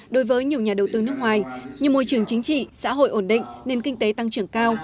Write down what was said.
đối với nhiều nhà đầu tư nước ngoài như môi trường chính trị xã hội ổn định nền kinh tế tăng trưởng cao